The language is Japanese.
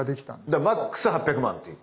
だからＭＡＸ８００万っていう。